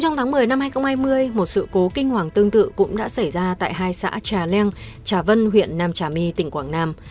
hôm nay một sự cố kinh hoàng tương tự cũng đã xảy ra tại hai xã trà leng trà vân huyện nam trà my tỉnh quảng nam